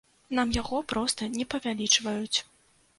Нам яго проста не павялічваюць.